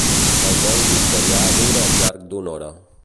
El vol fins allà dura al llarg d'una hora.